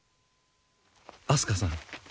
明日香さん！